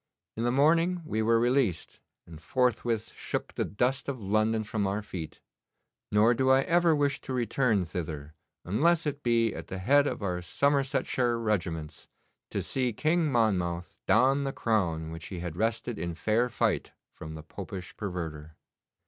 In the morning we were released, and forthwith shook the dust of London from our feet; nor do I ever wish to return thither, unless it be at the head of our Somersetshire regiments, to see King Monmouth don the crown which he had wrested in fair fight from the Popish perverter.